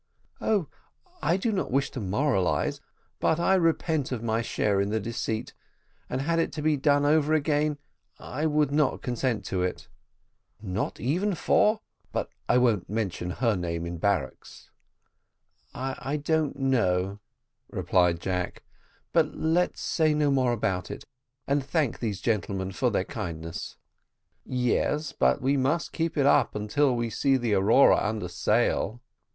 "Oh, I do not wish to moralise but I repent of my share in the deceit; and had it to be done over again I would not consent to it." "Not even for ? but I won't mention her name in barracks." "I don't know," replied Jack; "but let's say no more about it, and thank these gentlemen for their kindness." "Yes, but we must keep it up until we see the Aurora under all sail."